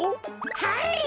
はい！